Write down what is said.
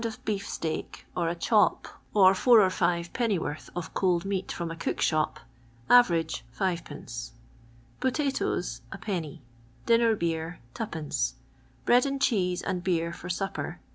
of beef steak, or a chop, or four or five pennyworth of cold meat from a cook shop ... (average) 0 5 Potatoes 0 1 Dinner beer 0 2 Bread and cheese and beer for supper